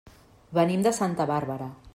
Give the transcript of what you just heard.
Venim de Santa Bàrbara.